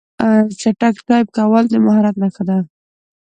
چټک ټایپ کول د مهارت نښه ده.